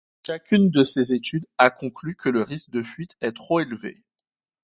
Chacune de ces études a conclu que le risque de fuite est trop élevé.